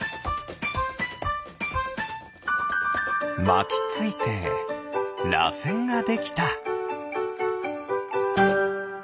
まきついてらせんができた。